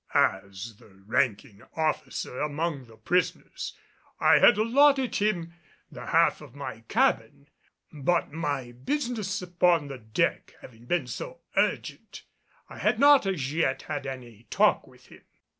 As the ranking officer among the prisoners, I had allotted him the half of my cabin, but my business upon the deck having been so urgent, I had not as yet had any talk with him.